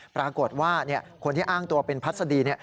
ปรากฏว่าคนที่อ้างตัวเป็นพัศดี